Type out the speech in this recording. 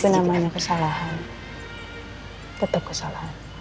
tetep namanya kesalahan tetep kesalahan